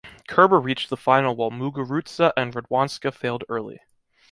Kerber reached the final while Muguruza and Radwańska failed early.